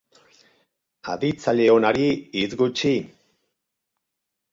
Aditzaile onari, hitz gutxi.